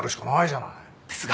ですが。